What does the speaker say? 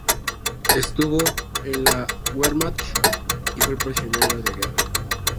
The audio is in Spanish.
Estuvo en la Wehrmacht y fue prisionero de guerra.